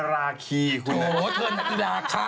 หรอเยี่ยมมาก